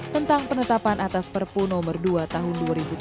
tentang penetapan atas perpu nomor dua tahun dua ribu tujuh belas